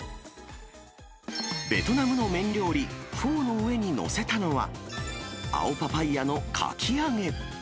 ベトナムの麺料理、フォーの上に載せたのは、青パパイヤのかき揚げ。